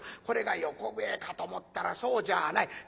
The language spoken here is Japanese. これが横笛かと思ったらそうじゃあない。